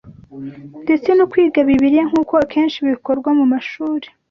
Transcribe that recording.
Ndetse no kwiga Bibiliya nk’uko akenshi bikorwa mu mashuri